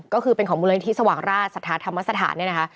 ก็คือเป็นของมูลนิทธิสวังราชสถาธรรมสถาน